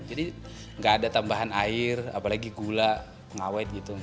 jadi gak ada tambahan air apalagi gula pengawet gitu